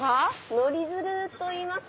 乗り鶴といいます。